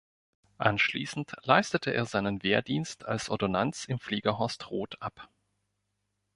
Anschließend leistete er seinen Wehrdienst als Ordonnanz im Fliegerhorst Roth ab.